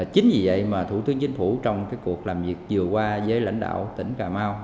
chính vì vậy mà thủ tướng chính phủ trong cuộc làm việc vừa qua với lãnh đạo tỉnh cà mau